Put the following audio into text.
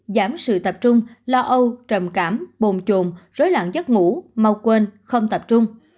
giảm sự tập trung lo âu trầm cảm bồn trồn rối lặng giấc ngủ mau quên không tập trung